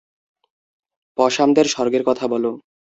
পসামদের স্বর্গের কথা বলো।